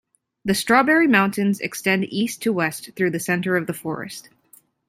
The Strawberry Mountains extend east to west through the center of the forest.